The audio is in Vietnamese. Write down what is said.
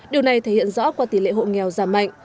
điều này thể hiện rõ qua tỷ lệ hộ nghèo giảm mạnh